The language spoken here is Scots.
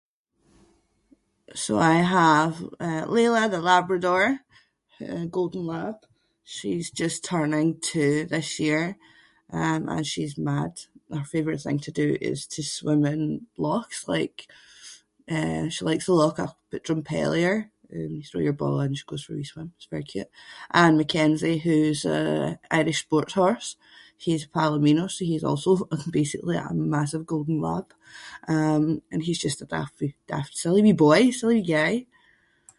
So I have uh Leila the labrador who- a golden lab. She’s just turning two this year um and she’s mad. Her favourite thing to do is to swim in lochs like uh, she likes the loch up at Drumpellier and you throw your ball in and she goes for a wee swim, it’s very cute. And McKenzie who’s a Irish sports horse. He’s palomino so he’s also basically a massive golden lab um and he’s just a daft wee- daft silly wee boy, silly wee guy.